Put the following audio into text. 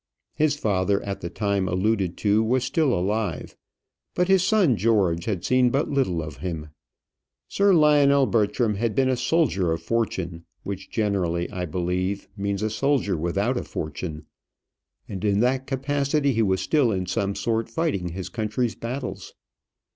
His father at the time alluded to was still alive, but his son George had seen but little of him. Sir Lionel Bertram had been a soldier of fortune, which generally, I believe, means a soldier without a fortune, and in that capacity he was still in some sort fighting his country's battles.